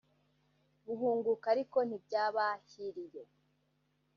Guhunguka ariko ntibyabahiriye